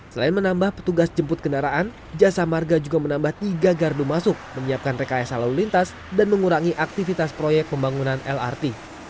selain menambah petugas jemput kendaraan jasa marga juga menambah tiga gardu masuk menyiapkan rekayasa lalu lintas dan mengurangi aktivitas proyek pembangunan lrt